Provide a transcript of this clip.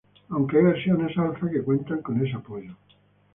Aunque hay versiones alpha que cuentan con ese apoyo.